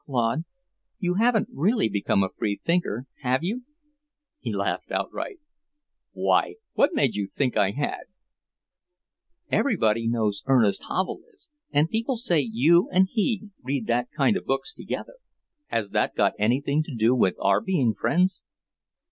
"Claude, you haven't really become a free thinker, have you?" He laughed outright. "Why, what made you think I had?" "Everybody knows Ernest Havel is, and people say you and he read that kind of books together." "Has that got anything to do with our being friends?"